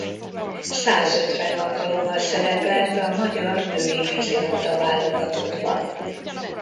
Százötven alkalommal szerepelt a magyar női vízilabda-válogatottban.